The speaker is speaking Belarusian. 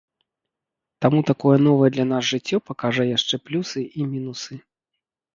Таму такое новае для нас жыццё пакажа яшчэ плюсы і мінусы.